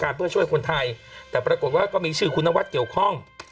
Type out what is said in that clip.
เพื่อช่วยคนไทยแต่ปรากฏว่าก็มีชื่อคุณนวัดเกี่ยวข้อง